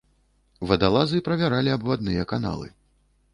Вадалазы правяралі абвадныя каналы.